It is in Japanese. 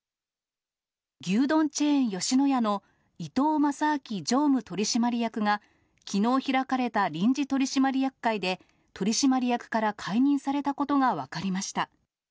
牛丼チェーン、吉野家の伊東正明常務取締役が、きのう開かれた臨時取締役会で、取締役から解任されたことが分かりました。